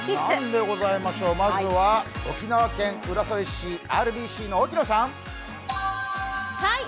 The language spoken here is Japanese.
何でございましょう、まずは沖縄県浦添市、ＲＢＣの沖野さん。